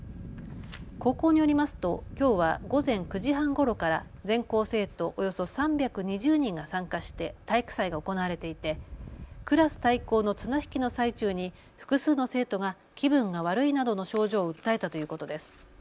高校によりますときょうは午前９時半ごろから全校生徒およそ３２０人が参加して体育祭が行われていてクラス対抗の綱引きの最中に複数の生徒が気分が悪いなどの症状を訴えたということです。